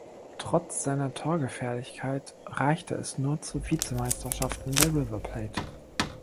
Trotz seiner Torgefährlichkeit reichte es nur zu Vizemeisterschaften bei River Plate.